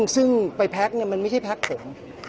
ซึ่งไปแพ็คมันไม่ใช่แพ็คผม